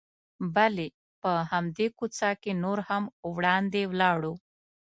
بلې، په همدې کوڅه کې نور هم وړاندې ولاړو.